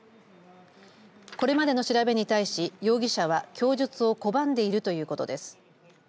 これまでの調べに対し、容疑者は供述を拒んでいるということです。